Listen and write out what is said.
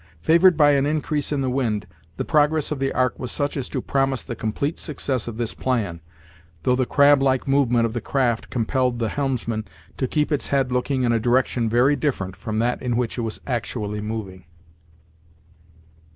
Favored by an increase in the wind, the progress of the ark was such as to promise the complete success of this plan, though the crab like movement of the craft compelled the helmsman to keep its head looking in a direction very different from that in which it was actually moving.